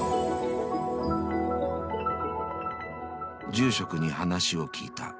［住職に話を聞いた］